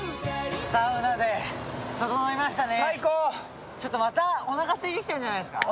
サウナでととのいましたね。